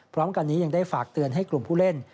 พร้อมกันนี้ยังได้ฝากเตือนให้กลุ่มผู้เล่น